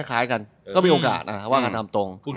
คุณตำราสอธิบาย